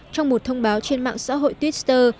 trong một thông báo trên mạng social